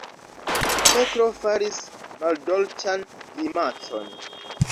Petro faris maldolĉan grimacon.